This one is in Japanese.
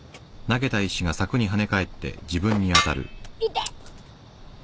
痛っ！？